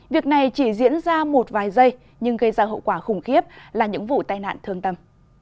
việc này chỉ diễn ra một vài giây nhưng gây ra hậu quả khủng khiếp là những vụ tai nạn thương tâm